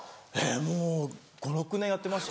もう５６年やってました。